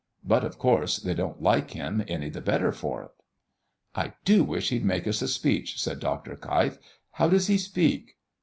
But, of course, they don't like him any the better for it." "I do wish he'd make us a speech," said Dr. Keif. "How does he speak?"